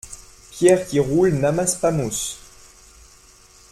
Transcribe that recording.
Pierre qui roule n’amasse pas mousse.